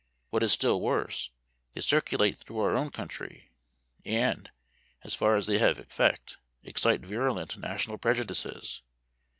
What is still worse, they circulate through our own country, and, as far as they have effect, excite virulent national prejudices.